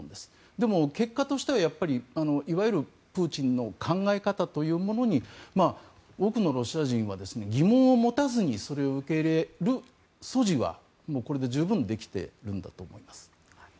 でも、結果としてはいわゆるプーチンの考え方というものに多くのロシア人は疑問を持たずにそれを受け入れる素地はこれで十分できているんだと思います。